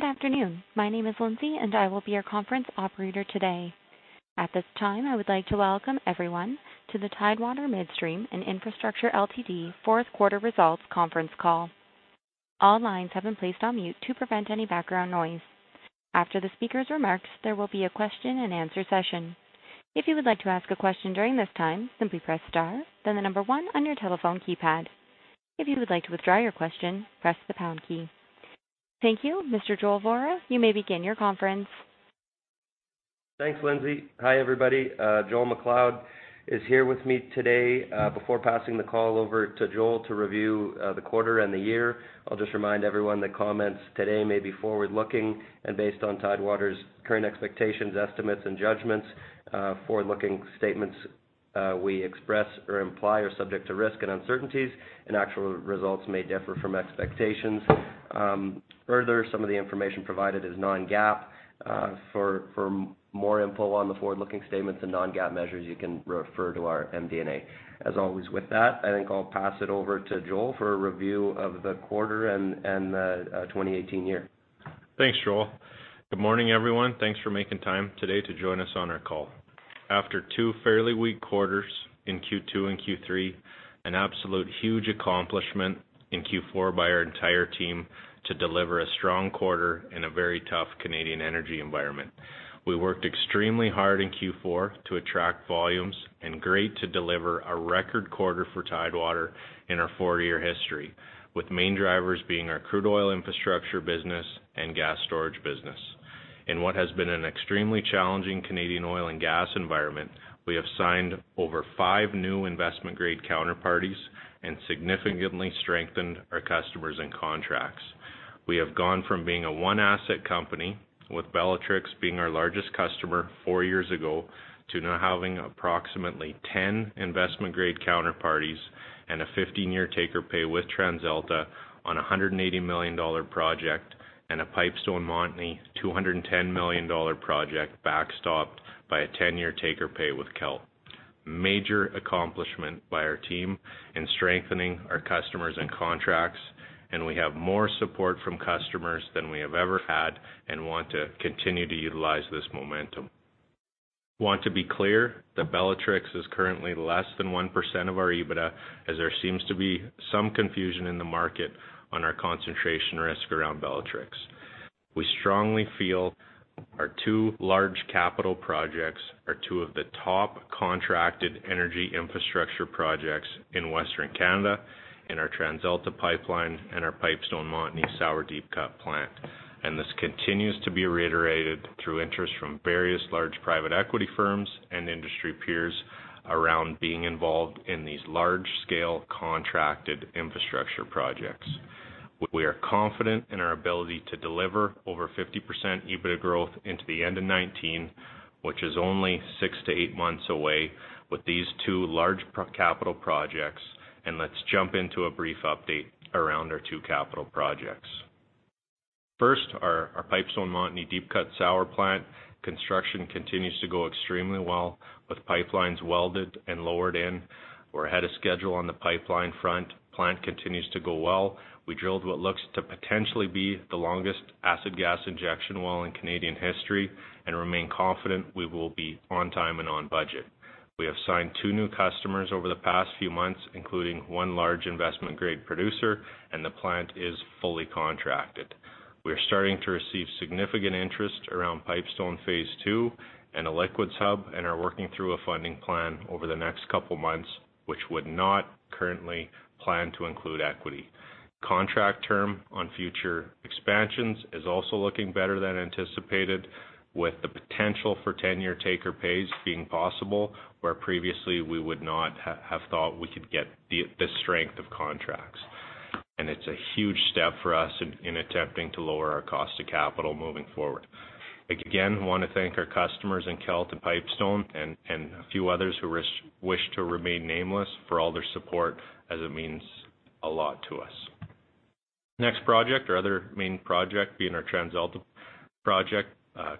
Good afternoon. My name is Lindsay. I will be your conference operator today. At this time, I would like to welcome everyone to the Tidewater Midstream and Infrastructure Ltd. Fourth Quarter Results Conference Call. All lines have been placed on mute to prevent any background noise. After the speaker's remarks, there will be a question and answer session. If you would like to ask a question during this time, simply press star, then the number one on your telephone keypad. If you would like to withdraw your question, press the pound key. Thank you. Mr. Joel Vorra, you may begin your conference. Thanks, Lindsay. Hi, everybody. Joel MacLeod is here with me today. Before passing the call over to Joel to review the quarter and the year, I'll just remind everyone that comments today may be forward-looking and based on Tidewater's current expectations, estimates, and judgments. Forward-looking statements we express or imply are subject to risk and uncertainties. Actual results may differ from expectations. Further, some of the information provided is non-GAAP. For more info on the forward-looking statements and non-GAAP measures, you can refer to our MD&A. As always, with that, I think I'll pass it over to Joel for a review of the quarter and the 2018 year. Thanks, Joel. Good morning, everyone. Thanks for making time today to join us on our call. After two fairly weak quarters in Q2 and Q3, an absolute huge accomplishment in Q4 by our entire team to deliver a strong quarter in a very tough Canadian energy environment. We worked extremely hard in Q4 to attract volumes and great to deliver a record quarter for Tidewater in our four-year history, with main drivers being our crude oil infrastructure business and gas storage business. In what has been an extremely challenging Canadian oil and gas environment, we have signed over five new investment-grade counterparties and significantly strengthened our customers and contracts. We have gone from being a one-asset company, with Bellatrix being our largest customer four years ago, to now having approximately 10 investment-grade counterparties and a 15-year take-or-pay with TransAlta on a 180 million dollar project and a Pipestone Montney 210 million dollar project backstopped by a 10-year take-or-pay with Kelt. Major accomplishment by our team in strengthening our customers and contracts. We have more support from customers than we have ever had and want to continue to utilize this momentum. Want to be clear that Bellatrix is currently less than 1% of our EBITDA, as there seems to be some confusion in the market on our concentration risk around Bellatrix. We strongly feel our two large capital projects are two of the top contracted energy infrastructure projects in Western Canada, in our TransAlta pipeline and our Pipestone Montney sour deep cut plant. This continues to be reiterated through interest from various large private equity firms and industry peers around being involved in these large-scale contracted infrastructure projects. We are confident in our ability to deliver over 50% EBITDA growth into the end of 2019, which is only six to eight months away with these two large capital projects. Let's jump into a brief update around our two capital projects. First, our Pipestone Montney deep cut sour plant. Construction continues to go extremely well, with pipelines welded and lowered in. We are ahead of schedule on the pipeline front. Plant continues to go well. We drilled what looks to potentially be the longest acid gas injection well in Canadian history and remain confident we will be on time and on budget. We have signed two new customers over the past few months, including one large investment-grade producer, and the plant is fully contracted. We are starting to receive significant interest around Pipestone phase two and a liquids hub and are working through a funding plan over the next couple of months, which would not currently plan to include equity. Contract term on future expansions is also looking better than anticipated, with the potential for 10-year take-or-pays being possible, where previously we would not have thought we could get the strength of contracts. It's a huge step for us in attempting to lower our cost of capital moving forward. Again, want to thank our customers in Kelt to Pipestone and a few others who wish to remain nameless for all their support, as it means a lot to us. Next project, our other main project being our TransAlta project.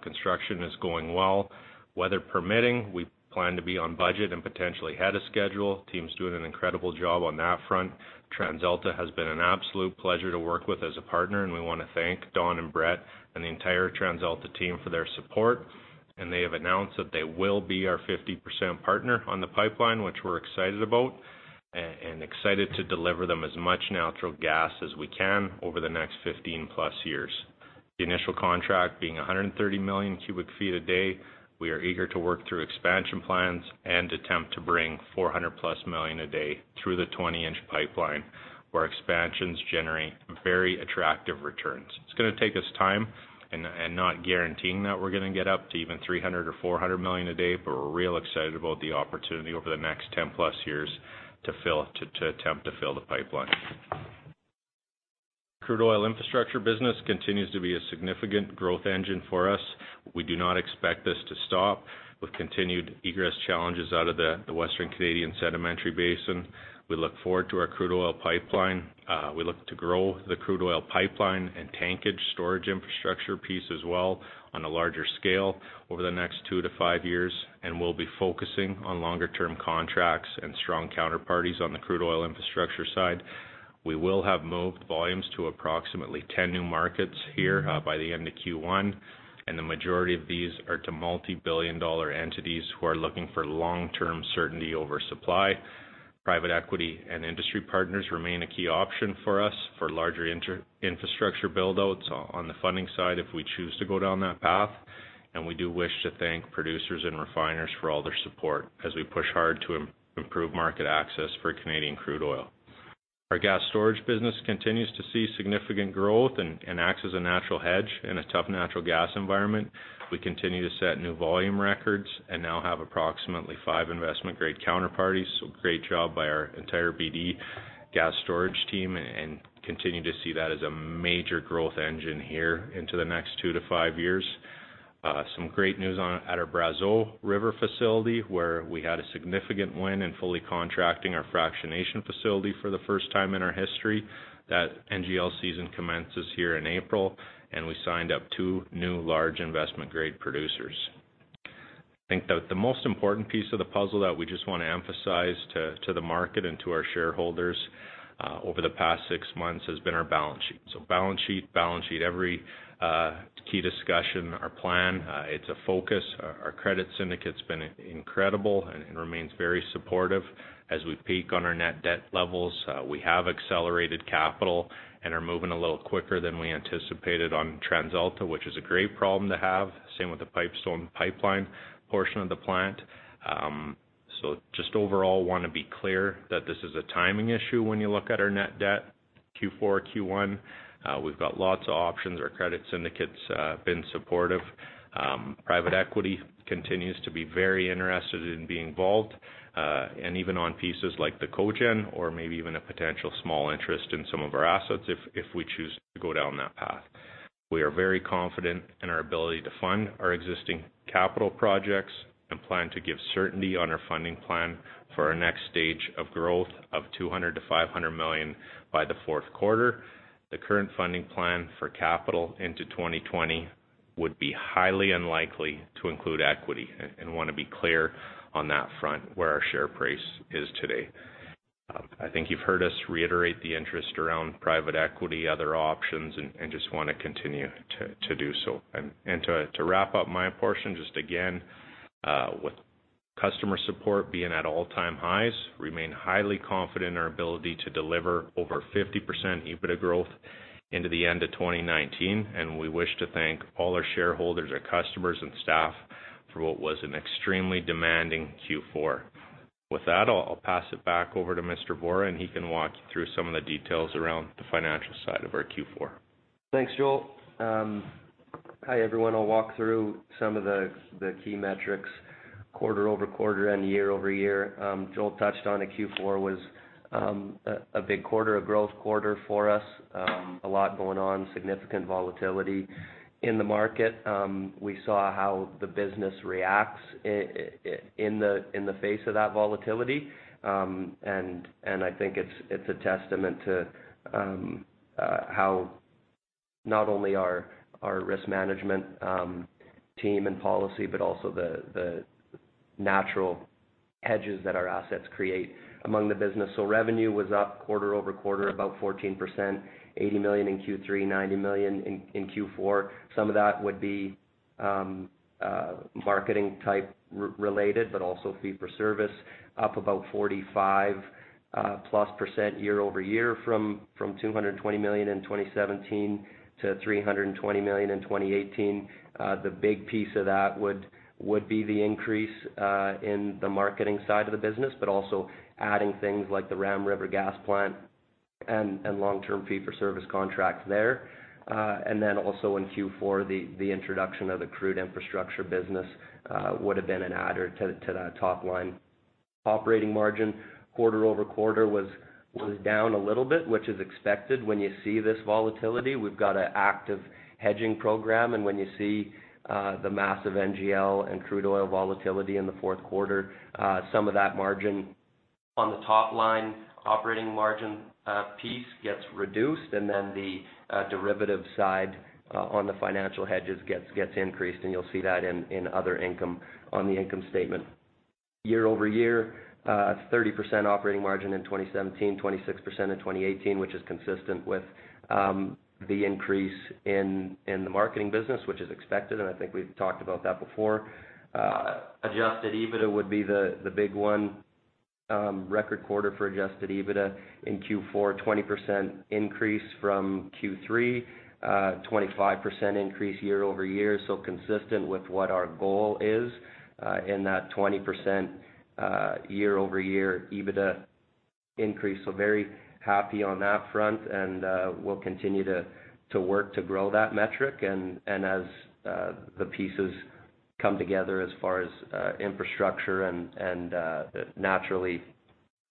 Construction is going well. Weather permitting, we plan to be on budget and potentially ahead of schedule. Team's doing an incredible job on that front. TransAlta has been an absolute pleasure to work with as a partner, and we want to thank Don and Brett and the entire TransAlta team for their support. They have announced that they will be our 50% partner on the pipeline, which we are excited about and excited to deliver them as much natural gas as we can over the next 15-plus years. The initial contract being 130 million cubic feet a day, we are eager to work through expansion plans and attempt to bring 400-plus million a day through the 20-inch pipeline, where expansions generate very attractive returns. It's going to take us time, not guaranteeing that we are going to get up to even 300 or 400 million a day, but we are real excited about the opportunity over the next 10-plus years to attempt to fill the pipeline. Crude oil infrastructure business continues to be a significant growth engine for us. We do not expect this to stop with continued egress challenges out of the Western Canadian Sedimentary Basin. We look forward to our crude oil pipeline. We look to grow the crude oil pipeline and tankage storage infrastructure piece as well on a larger scale over the next two to five years. We'll be focusing on longer-term contracts and strong counterparties on the crude oil infrastructure side. We will have moved volumes to approximately 10 new markets here by the end of Q1, and the majority of these are to multi-billion-dollar entities who are looking for long-term certainty over supply. Private equity and industry partners remain a key option for us for larger infrastructure build-outs on the funding side if we choose to go down that path. We do wish to thank producers and refiners for all their support as we push hard to improve market access for Canadian crude oil. Our gas storage business continues to see significant growth and acts as a natural hedge in a tough natural gas environment. We continue to set new volume records and now have approximately five investment-grade counterparties. Great job by our entire BD gas storage team, and continue to see that as a major growth engine here into the next two to five years. Some great news at our Brazeau River facility, where we had a significant win in fully contracting our fractionation facility for the first time in our history. That NGL season commences here in April, and we signed up two new large investment-grade producers. I think that the most important piece of the puzzle that we just want to emphasize to the market and to our shareholders over the past six months has been our balance sheet. Balance sheet, balance sheet, every key discussion, our plan, it's a focus. Our credit syndicate's been incredible and remains very supportive as we peak on our net debt levels. We have accelerated capital and are moving a little quicker than we anticipated on TransAlta, which is a great problem to have. Same with the Pipestone pipeline portion of the plant. Just overall, want to be clear that this is a timing issue when you look at our net debt, Q4, Q1. We've got lots of options. Our credit syndicate's been supportive. Private equity continues to be very interested in being involved, and even on pieces like the cogen or maybe even a potential small interest in some of our assets if we choose to go down that path. We are very confident in our ability to fund our existing capital projects and plan to give certainty on our funding plan for our next stage of growth of 200 million-500 million by the fourth quarter. The current funding plan for capital into 2020 would be highly unlikely to include equity and want to be clear on that front where our share price is today. I think you've heard us reiterate the interest around private equity, other options, and just want to continue to do so. To wrap up my portion, just again, with customer support being at all-time highs, remain highly confident in our ability to deliver over 50% EBITDA growth into the end of 2019. We wish to thank all our shareholders, our customers, and staff for what was an extremely demanding Q4. With that, I'll pass it back over to Mr. Vorra, and he can walk you through some of the details around the financial side of our Q4. Thanks, Joel. Hi, everyone. I'll walk through some of the key metrics quarter-over-quarter and year-over-year. Joel touched on Q4 was a big quarter, a growth quarter for us. A lot going on, significant volatility in the market. We saw how the business reacts in the face of that volatility, and I think it's a testament to how not only our risk management team and policy, but also the natural hedges that our assets create among the business. Revenue was up quarter-over-quarter, about 14%, 80 million in Q3, 90 million in Q4. Some of that would be marketing type related, but also fee for service up about 45+% year-over-year from 220 million in 2017 to 320 million in 2018. The big piece of that would be the increase in the marketing side of the business, but also adding things like the Ram River Gas Plant and long-term fee for service contract there. Also in Q4, the introduction of the crude infrastructure business would have been an adder to that top line. Operating margin quarter-over-quarter was down a little bit, which is expected when you see this volatility. We've got an active hedging program, and when you see the massive NGL and crude oil volatility in the fourth quarter, some of that margin on the top-line operating margin piece gets reduced, and then the derivative side on the financial hedges gets increased, and you'll see that in other income on the income statement. Year-over-year, 30% operating margin in 2017, 26% in 2018, which is consistent with the increase in the marketing business, which is expected, and I think we've talked about that before. Adjusted EBITDA would be the big one. Record quarter for adjusted EBITDA in Q4, 20% increase from Q3, 25% increase year-over-year. Consistent with what our goal is in that 20% year-over-year EBITDA increase. Very happy on that front and we'll continue to work to grow that metric. As the pieces come together as far as infrastructure and naturally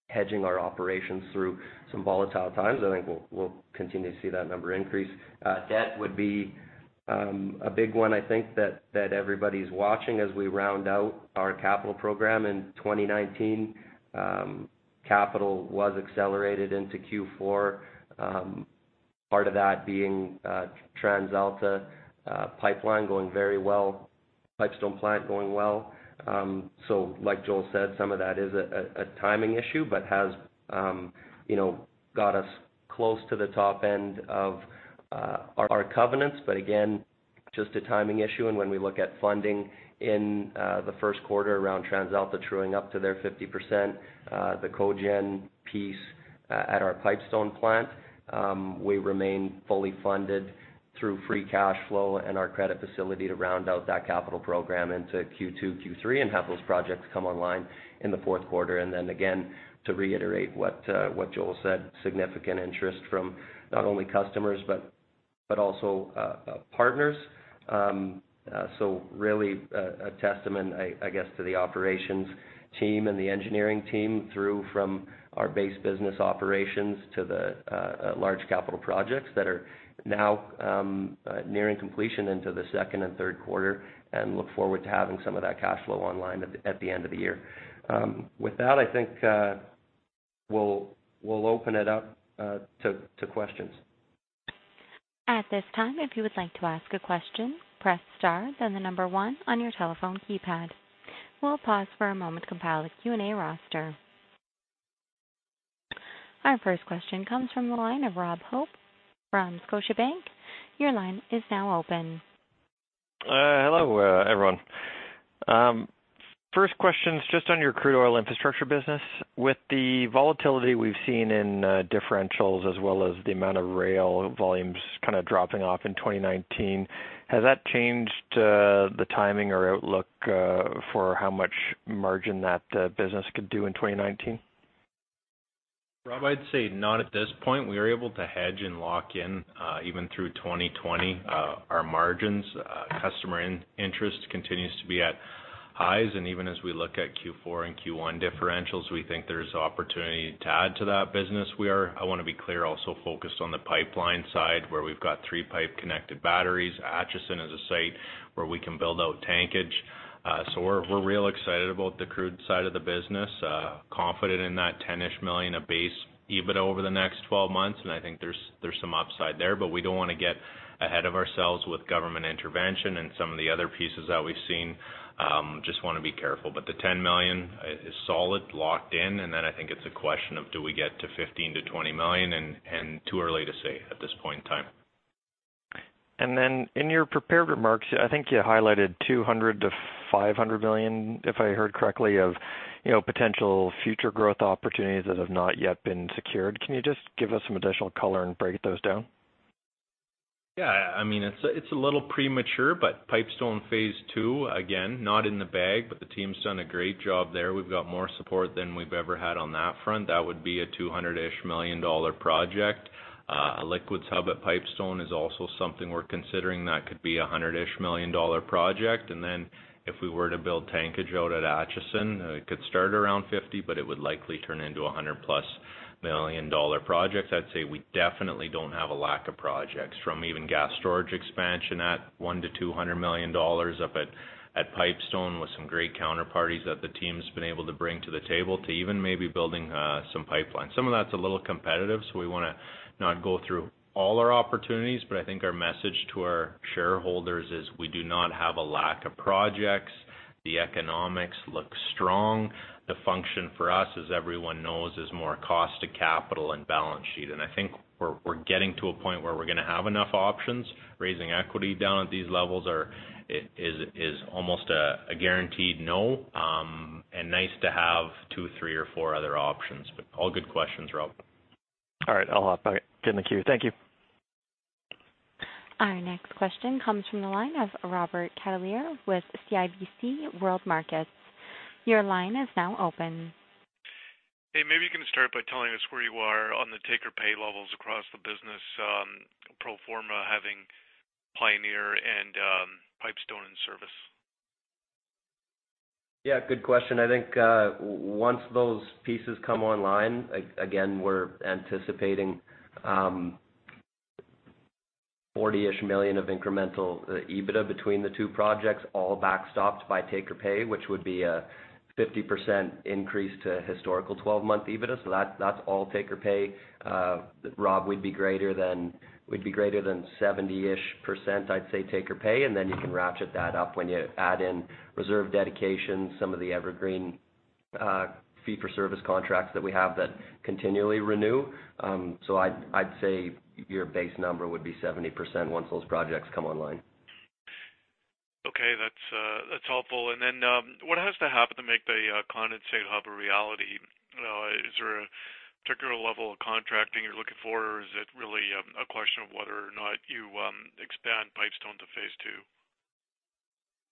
hedging our operations through some volatile times, I think we'll continue to see that number increase. Debt would be a big one, I think, that everybody's watching as we round out our capital program in 2019. Capital was accelerated into Q4 Part of that being Pioneer Pipeline going very well, Pipestone plant going well. Like Joel said, some of that is a timing issue, but has got us close to the top end of our covenants. Again, just a timing issue, and when we look at funding in the first quarter around TransAlta truing up to their 50%, the cogen piece at our Pipestone plant, we remain fully funded through free cash flow and our credit facility to round out that capital program into Q2, Q3, and have those projects come online in the fourth quarter. Again, to reiterate what Joel said, significant interest from not only customers but also partners. Really a testament, I guess, to the operations team and the engineering team through from our base business operations to the large capital projects that are now nearing completion into the second and third quarter, and look forward to having some of that cash flow online at the end of the year. With that, I think we'll open it up to questions. At this time, if you would like to ask a question, press star, then the number one on your telephone keypad. We'll pause for a moment to compile a Q&A roster. Our first question comes from the line of Rob Hope from Scotiabank. Your line is now open. Hello, everyone. First question's just on your crude oil infrastructure business. With the volatility we've seen in differentials as well as the amount of rail volumes dropping off in 2019, has that changed the timing or outlook for how much margin that business could do in 2019? Rob, I'd say not at this point. We are able to hedge and lock in, even through 2020, our margins. Customer interest continues to be at highs, and even as we look at Q4 and Q1 differentials, we think there's opportunity to add to that business. We are, I want to be clear, also focused on the pipeline side, where we've got three pipe-connected batteries. Atchison is a site where we can build out tankage. We're real excited about the crude side of the business, confident in that 10-ish million of base EBITDA over the next 12 months, and I think there's some upside there. We don't want to get ahead of ourselves with government intervention and some of the other pieces that we've seen. Just want to be careful. The 10 million is solid, locked in. I think it's a question of do we get to 15 million-20 million, and too early to say at this point in time. In your prepared remarks, I think you highlighted 200 million-500 million, if I heard correctly, of potential future growth opportunities that have not yet been secured. Can you just give us some additional color and break those down? It's a little premature. Pipestone phase two, again, not in the bag, but the team's done a great job there. We've got more support than we've ever had on that front. That would be a 200 million dollar-ish project. A liquids hub at Pipestone is also something we're considering. That could be a 100 million dollar-ish project. If we were to build tankage out at Atchison, it could start around 50 million, but it would likely turn into a 100 million dollar-plus project. I'd say we definitely don't have a lack of projects, from even gas storage expansion at 1 million-200 million dollars up at Pipestone with some great counterparties that the team's been able to bring to the table, to even maybe building some pipelines. Some of that's a little competitive, so we want to not go through all our opportunities, I think our message to our shareholders is we do not have a lack of projects. The economics look strong. The function for us, as everyone knows, is more cost to capital and balance sheet. I think we're getting to a point where we're going to have enough options. Raising equity down at these levels is almost a guaranteed no, and nice to have two, three, or four other options. All good questions, Rob. All right. I'll hop back in the queue. Thank you. Our next question comes from the line of Robert Catellier with CIBC World Markets. Your line is now open. Hey, maybe you can start by telling us where you are on the take-or-pay levels across the business, pro forma having Pioneer and Pipestone in service. Yeah, good question. I think once those pieces come online, again, we're anticipating 40-ish million of incremental EBITDA between the two projects, all backstopped by take-or-pay, which would be a 50% increase to historical 12-month EBITDA. That's all take-or-pay. Rob, we'd be greater than 70-ish% I'd say, take-or-pay, and then you can ratchet that up when you add in reserve dedication, some of the evergreen fee-for-service contracts that we have that continually renew. I'd say your base number would be 70% once those projects come online. Okay. That's helpful. What has to happen to make the condensate hub a reality? Is there a particular level of contracting you're looking for, or is it really a question of whether or not you expand Pipestone to phase II?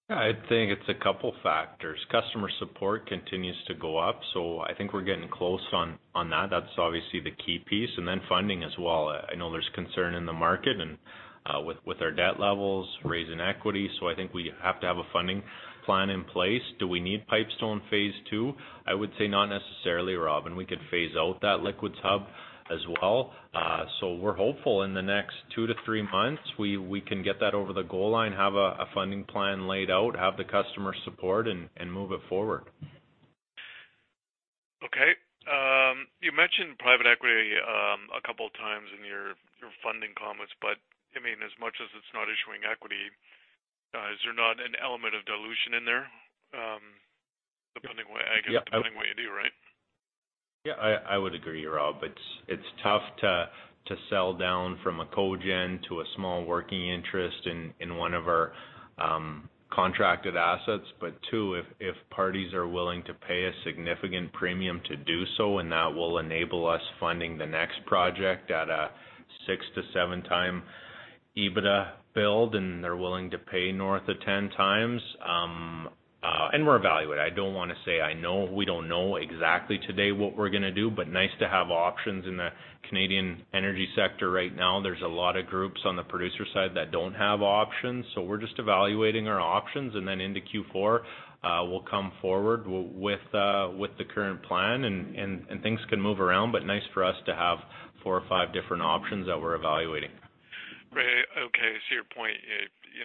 I think it's a couple factors. Customer support continues to go up, I think we're getting close on that. That's obviously the key piece. Funding as well. I know there's concern in the market and with our debt levels, raising equity, I think we have to have a funding plan in place. Do we need Pipestone phase II? I would say not necessarily, Rob, we could phase out that liquids hub as well. We're hopeful in the next two to three months, we can get that over the goal line, have a funding plan laid out, have the customer support, and move it forward. Okay. You mentioned private equity a couple times in your funding comments, as much as it's not issuing equity, is there not an element of dilution in there? Depending what you do, right? Yeah, I would agree, Rob. It's tough to sell down from a cogen to a small working interest in one of our contracted assets. Two, if parties are willing to pay a significant premium to do so, that will enable us funding the next project at a six to seven time EBITDA build, they're willing to pay north of 10x, we're evaluating. I don't want to say I know. We don't know exactly today what we're going to do, nice to have options in the Canadian energy sector right now. There's a lot of groups on the producer side that don't have options. We're just evaluating our options, into Q4, we'll come forward with the current plan. Things can move around, nice for us to have four or five different options that we're evaluating. Great. Okay. I see your point. You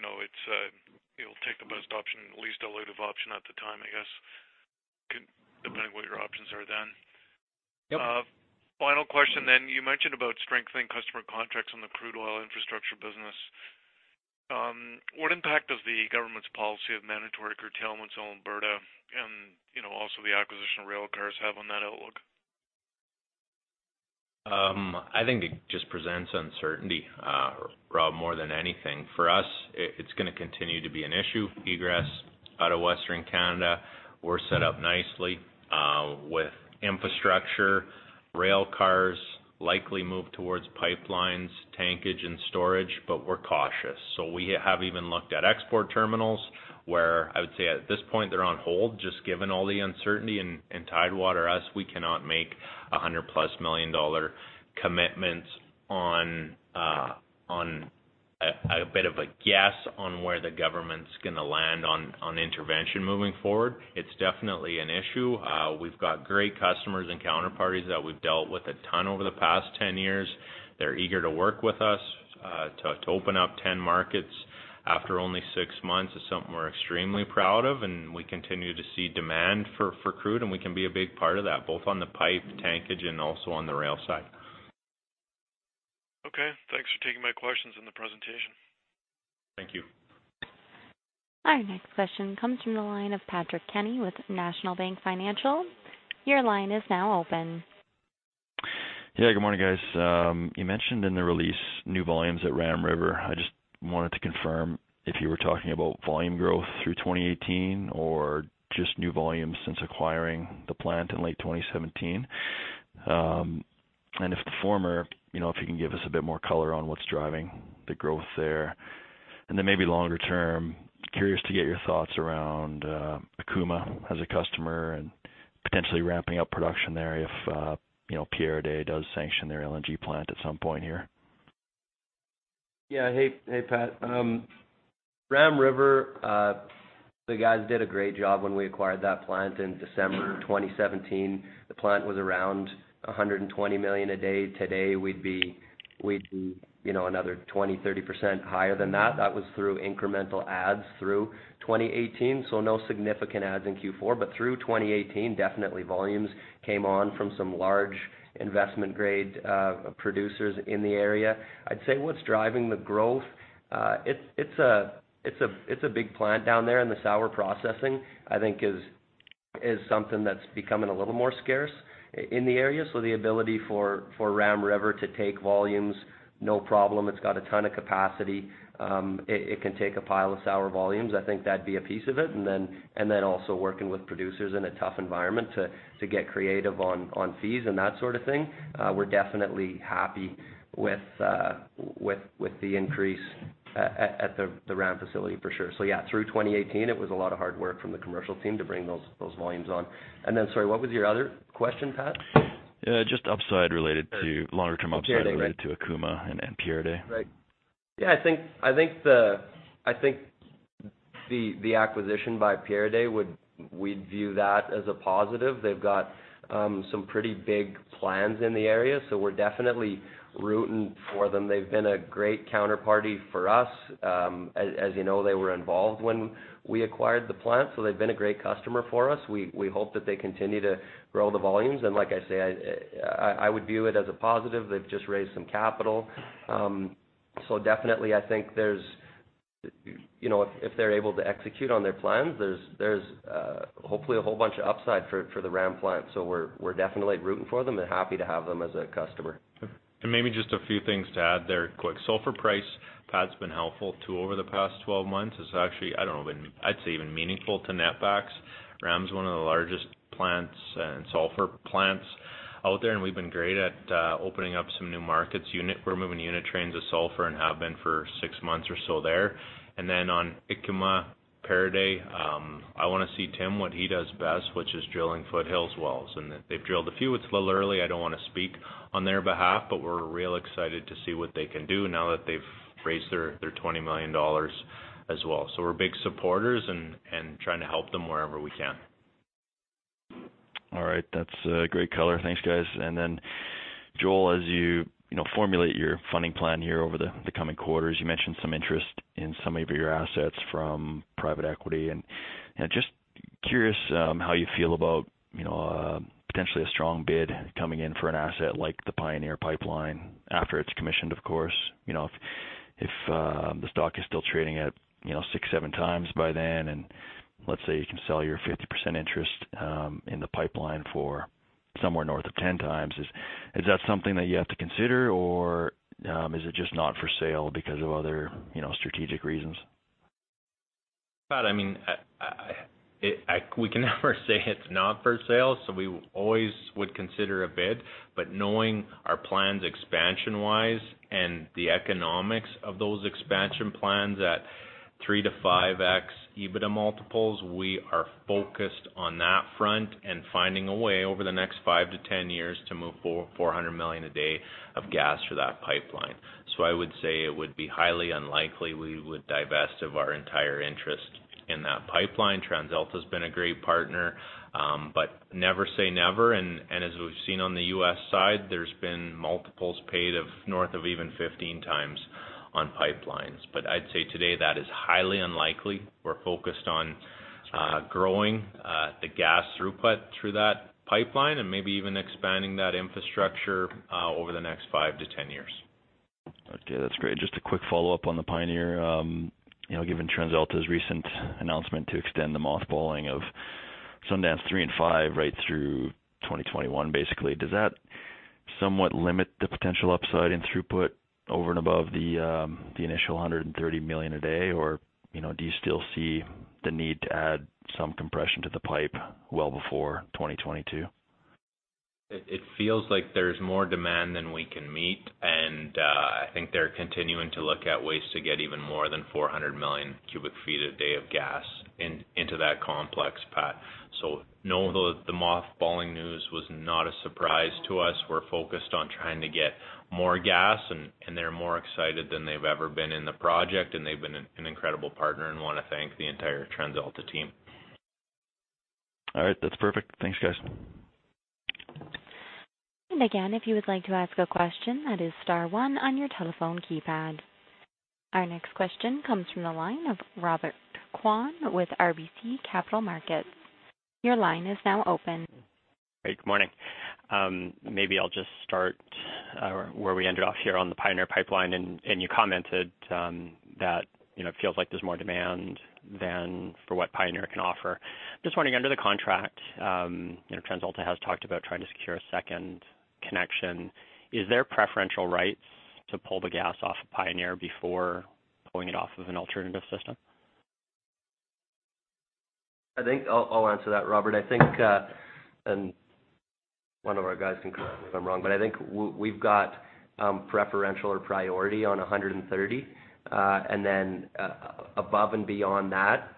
will take the best option, least dilutive option at the time, I guess. Depending on what your options are then. Yep. Final question. You mentioned about strengthening customer contracts on the crude oil infrastructure business. What impact does the government's policy of mandatory curtailments on Alberta and also the acquisition of railcars have on that outlook? I think it just presents uncertainty, Rob, more than anything. For us, it is going to continue to be an issue. Egress out of Western Canada, we are set up nicely with infrastructure, railcars, likely move towards pipelines, tankage, and storage, we are cautious. We have even looked at export terminals, where I would say at this point, they are on hold, just given all the uncertainty. Tidewater, us, we cannot make 100-plus million dollar commitments on a bit of a guess on where the government's going to land on intervention moving forward. It is definitely an issue. We have got great customers and counterparties that we have dealt with a ton over the past 10 years. They are eager to work with us. To open up 10 markets after only six months is something we are extremely proud of, and we continue to see demand for crude, and we can be a big part of that, both on the pipe, tankage, and also on the rail side. Okay. Thanks for taking my questions and the presentation. Thank you. Our next question comes from the line of Patrick Kenny with National Bank Financial. Your line is now open. Yeah, good morning, guys. You mentioned in the release new volumes at Ram River. I just wanted to confirm if you were talking about volume growth through 2018 or just new volumes since acquiring the plant in late 2017. If the former, if you can give us a bit more color on what's driving the growth there. Then maybe longer term, curious to get your thoughts around Ikkuma as a customer and potentially ramping up production there if Pieridae does sanction their LNG plant at some point here. Hey, Pat. Ram River, the guys did a great job when we acquired that plant in December 2017. The plant was around 120 million a day. Today, we would be another 20%-30% higher than that. That was through incremental adds through 2018. No significant adds in Q4, but through 2018, definitely volumes came on from some large investment-grade producers in the area. I would say what is driving the growth, it is a big plant down there, and the sour processing, I think is something that is becoming a little more scarce in the area. So the ability for Ram River to take volumes, no problem. It has got a ton of capacity. It can take a pile of sour volumes. I think that would be a piece of it, and then also working with producers in a tough environment to get creative on fees and that sort of thing. We are definitely happy with the increase at the Ram facility, for sure. So yeah, through 2018, it was a lot of hard work from the commercial team to bring those volumes on. Sorry, what was your other question, Pat? Just upside related to longer term- Pieridae, right? upside related to Ikkuma and Pieridae. Right. Yeah, I think the acquisition by Pieridae, we'd view that as a positive. They've got some pretty big plans in the area, so we're definitely rooting for them. They've been a great counterparty for us. As you know, they were involved when we acquired the plant, so they've been a great customer for us. We hope that they continue to grow the volumes. Like I say, I would view it as a positive. They've just raised some capital. Definitely, I think if they're able to execute on their plans, there's hopefully a whole bunch of upside for the Ram plant. We're definitely rooting for them and happy to have them as a customer. Maybe just a few things to add there quick. Sulfur price, Pat, has been helpful, too, over the past 12 months. It's actually, I don't know, I'd say even meaningful to net backs. Ram's one of the largest sulfur plants out there, we've been great at opening up some new markets. We're moving unit trains of sulfur and have been for six months or so there. Then on Ikkuma, Pieridae, I want to see Tim, what he does best, which is drilling foothills wells. They've drilled a few. It's a little early. I don't want to speak on their behalf, but we're real excited to see what they can do now that they've raised their 20 million dollars as well. We're big supporters and trying to help them wherever we can. All right. That's great color. Thanks, guys. Then Joel, as you formulate your funding plan here over the coming quarters, you mentioned some interest in some of your assets from private equity, and just curious how you feel about potentially a strong bid coming in for an asset like the Pioneer Pipeline after it's commissioned, of course. If the stock is still trading at six, seven times by then, and let's say you can sell your 50% interest in the pipeline for somewhere north of 10x, is that something that you have to consider, or is it just not for sale because of other strategic reasons? Pat, we can never say it's not for sale. We always would consider a bid. Knowing our plans expansion-wise and the economics of those expansion plans at 3x-5x EBITDA multiples, we are focused on that front and finding a way over the next five-10 years to move 400 million a day of gas through that pipeline. I would say it would be highly unlikely we would divest of our entire interest in that pipeline. TransAlta's been a great partner. Never say never, and as we've seen on the U.S. side, there's been multiples paid of north of even 15x on pipelines. I'd say today that is highly unlikely. We're focused on growing the gas throughput through that pipeline and maybe even expanding that infrastructure over the next five-10 years. Okay, that's great. Just a quick follow-up on the Pioneer. Given TransAlta's recent announcement to extend the mothballing of Sundance Three and Five right through 2021, basically, does that somewhat limit the potential upside in throughput over and above the initial 130 million a day, or do you still see the need to add some compression to the pipe well before 2022? It feels like there's more demand than we can meet, and I think they're continuing to look at ways to get even more than 400 million cubic feet a day of gas into that complex, Pat. No, the mothballing news was not a surprise to us. We're focused on trying to get more gas, and they're more excited than they've ever been in the project, and they've been an incredible partner and want to thank the entire TransAlta team. All right. That's perfect. Thanks, guys. Again, if you would like to ask a question, that is star one on your telephone keypad. Our next question comes from the line of Robert Kwan with RBC Capital Markets. Your line is now open. Hey, good morning. Maybe I'll just start where we ended off here on the Pioneer Pipeline, you commented that it feels like there's more demand than for what Pioneer can offer. Just wondering, under the contract, TransAlta has talked about trying to secure a second connection. Is there preferential rights to pull the gas off of Pioneer before pulling it off of an alternative system? I'll answer that, Robert. One of our guys can correct me if I'm wrong, but I think we've got preferential or priority on 130. Then above and beyond that,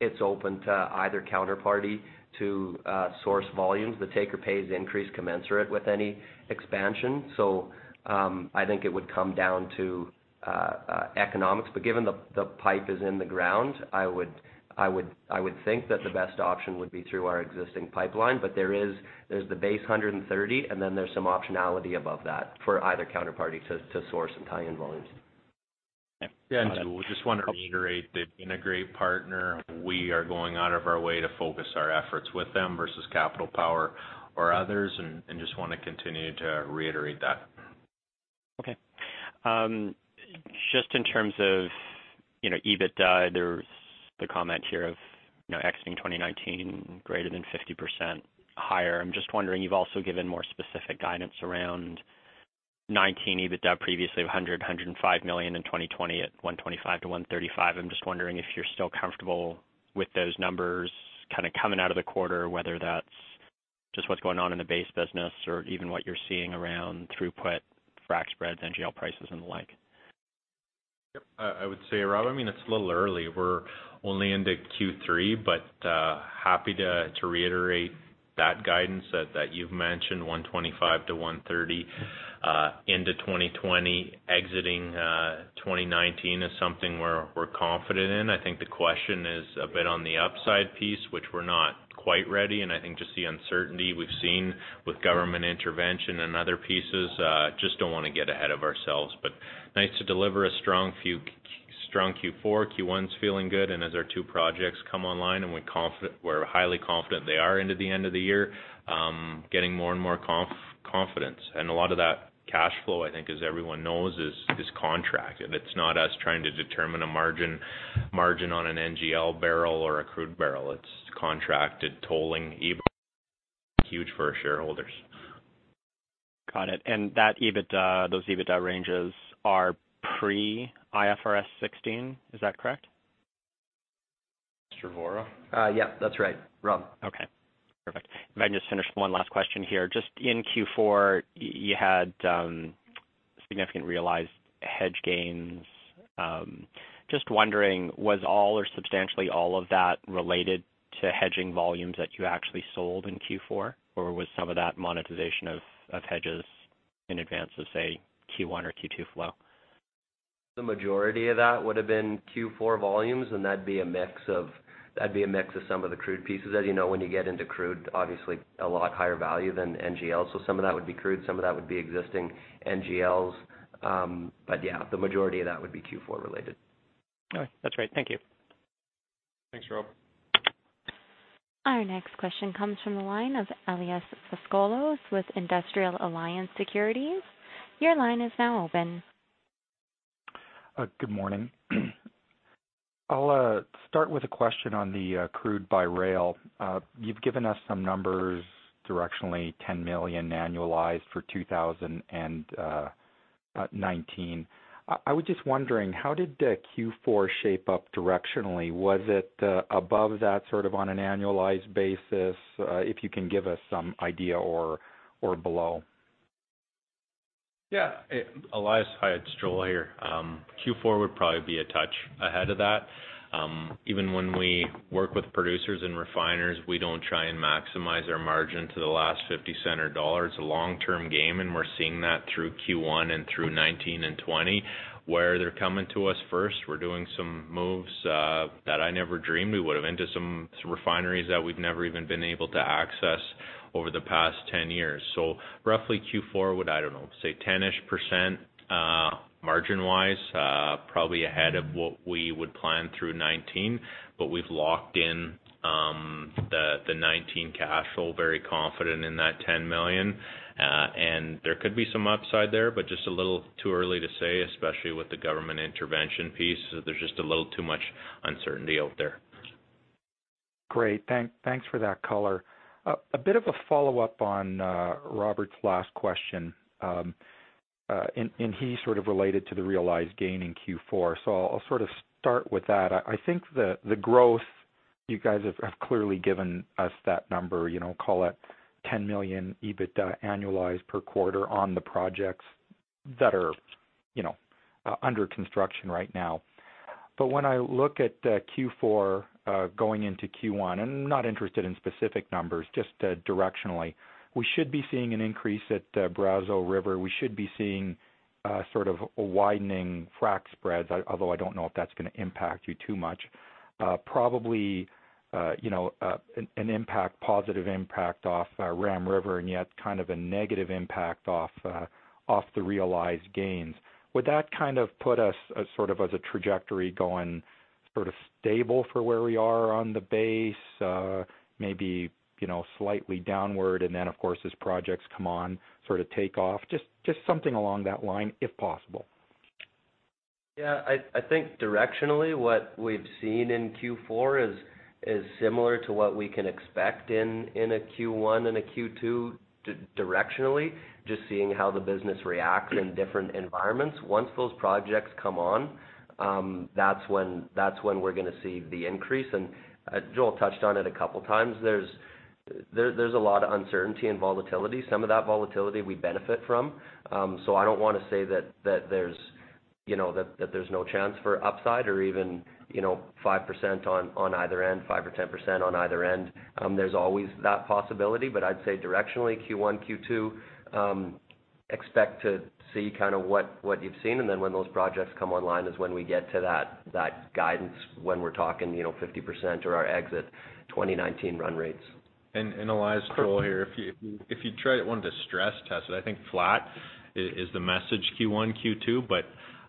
it's open to either counterparty to source volumes. The taker pays the increase commensurate with any expansion. I think it would come down to economics. Given the pipe is in the ground, I would think that the best option would be through our existing pipeline. There's the base 130, then there's some optionality above that for either counterparty to source and tie in volumes. Yeah, we just want to reiterate, they've been a great partner. We are going out of our way to focus our efforts with them versus Capital Power or others, just want to continue to reiterate that. Okay. Just in terms of EBITDA, there is the comment here of exiting 2019 greater than 50% higher. I am just wondering, you have also given more specific guidance around 2019 EBITDA previously of 100 million-105 million, in 2020 at 125 million-135 million. I am just wondering if you are still comfortable with those numbers kind of coming out of the quarter, whether that is just what is going on in the base business or even what you are seeing around throughput, frac spreads, NGL prices and the like. Yep. I would say, Rob, it is a little early. We are only into Q3, happy to reiterate that guidance that you have mentioned, 125 million-130 million into 2020. Exiting 2019 is something we are confident in. I think the question is a bit on the upside piece, which we are not quite ready, and I think just the uncertainty we have seen with government intervention and other pieces, just don't want to get ahead of ourselves. Nice to deliver a strong Q4. Q1 is feeling good, and as our two projects come online and we are highly confident they are into the end of the year, getting more and more confidence. A lot of that cash flow, I think as everyone knows, is contracted. It is not us trying to determine a margin on an NGL barrel or a crude barrel. It is contracted tolling EBITDA, huge for our shareholders. Got it. Those EBITDA ranges are pre-IFRS 16, is that correct? Mr. Vorra? Yeah. That's right, Rob. Okay. Perfect. If I can just finish one last question here. In Q4, you had significant realized hedge gains. Just wondering, was all or substantially all of that related to hedging volumes that you actually sold in Q4? Or was some of that monetization of hedges in advance of, say, Q1 or Q2 flow? The majority of that would have been Q4 volumes, that'd be a mix of some of the crude pieces. As you know, when you get into crude, obviously a lot higher value than NGL. Some of that would be crude, some of that would be existing NGLs. Yeah, the majority of that would be Q4 related. Okay. That's right. Thank you. Thanks, Rob. Our next question comes from the line of Elias Foscolos with Industrial Alliance Securities. Your line is now open. Good morning. I'll start with a question on the crude by rail. You've given us some numbers directionally, 10 million annualized for 2019. I was just wondering, how did Q4 shape up directionally? Was it above that sort of on an annualized basis, if you can give us some idea, or below? Yeah. Elias, hi, it's Joel here. Q4 would probably be a touch ahead of that. Even when we work with producers and refiners, we don't try and maximize our margin to the last 0.50. It's a long-term game, and we're seeing that through Q1 and through 2019 and 2020, where they're coming to us first. We're doing some moves that I never dreamed we would've into some refineries that we've never even been able to access over the past 10 years. Roughly Q4 would, I don't know, say 10-ish %, margin-wise, probably ahead of what we would plan through 2019. We've locked in the 2019 cash flow, very confident in that 10 million. There could be some upside there, but just a little too early to say, especially with the government intervention piece. There's just a little too much uncertainty out there. Great. Thanks for that color. A bit of a follow-up on Robert's last question. He sort of related to the realized gain in Q4, so I'll sort of start with that. I think the growth, you guys have clearly given us that number, call it 10 million EBITDA annualized per quarter on the projects that are under construction right now. When I look at Q4 going into Q1, and I'm not interested in specific numbers, just directionally, we should be seeing an increase at Brazeau River. We should be seeing sort of a widening frac spread, although I don't know if that's going to impact you too much. Probably, an impact, positive impact off Ram River, and yet kind of a negative impact off the realized gains. Would that kind of put us as sort of as a trajectory going sort of stable for where we are on the base, maybe slightly downward, and then of course, as projects come on, sort of take off? Just something along that line, if possible. Yeah. I think directionally, what we've seen in Q4 is similar to what we can expect in a Q1 and a Q2 directionally, just seeing how the business reacts in different environments. Once those projects come on, that's when we're going to see the increase. Joel touched on it a couple of times. There's a lot of uncertainty and volatility. Some of that volatility we benefit from. I don't want to say that there's no chance for upside or even 5% on either end, 5% or 10% on either end. There's always that possibility. I'd say directionally Q1, Q2, expect to see kind of what you've seen. Then when those projects come online is when we get to that guidance when we're talking 50% or our exit 2019 run rates. Elias, Joel here. If you wanted to stress test it, I think flat is the message Q1, Q2.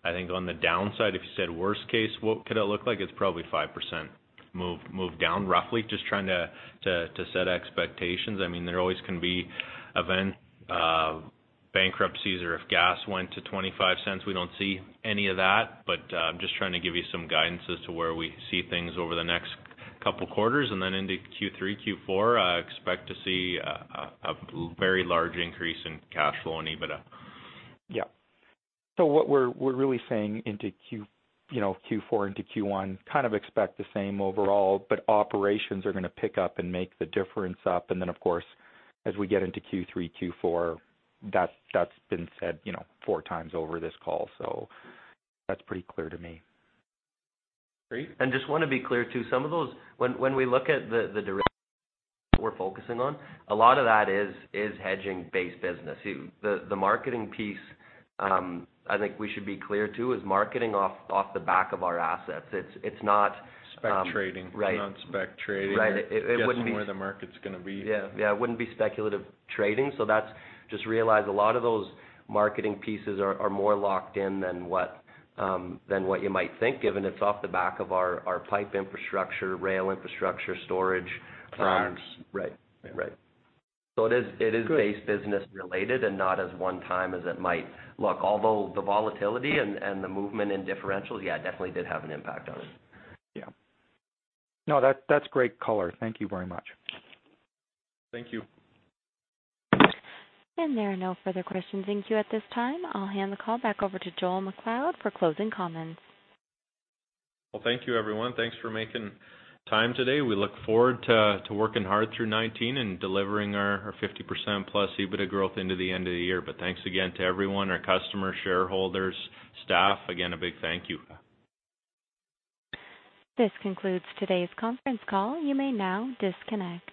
I think on the downside, if you said worst case, what could it look like? It's probably 5% move down, roughly. Just trying to set expectations. There always can be event bankruptcies or if gas went to 0.25. We don't see any of that, but I'm just trying to give you some guidance as to where we see things over the next couple of quarters. Then into Q3, Q4, I expect to see a very large increase in cash flow and EBITDA. Yeah. What we're really saying into Q4 into Q1, kind of expect the same overall, but operations are going to pick up and make the difference up. Of course, as we get into Q3, Q4, that's been said four times over this call. That's pretty clear to me. Great. Just want to be clear, too. Some of those, when we look at the we're focusing on, a lot of that is hedging base business. The marketing piece, I think we should be clear, too, is marketing off the back of our assets. It's not- Spec trading. Right. We're not spec trading. Right. Guessing where the market's going to be. Yeah. It wouldn't be speculative trading. Just realize a lot of those marketing pieces are more locked in than what you might think, given it's off the back of our pipe infrastructure, rail infrastructure, storage. Products. Right. Yeah. So it is- Great ..base business related and not as one time as it might look. Although the volatility and the movement in differentials, yeah, definitely did have an impact on it. Yeah. No, that's great color. Thank you very much. Thank you. There are no further questions in queue at this time. I'll hand the call back over to Joel MacLeod for closing comments. Well, thank you everyone. Thanks for making time today. We look forward to working hard through 2019 and delivering our 50% plus EBITDA growth into the end of the year. Thanks again to everyone, our customers, shareholders, staff. Again, a big thank you. This concludes today's conference call. You may now disconnect.